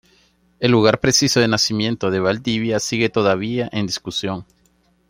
El lugar preciso de nacimiento de Valdivia sigue todavía en discusión.